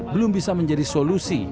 belum bisa menjadi solusi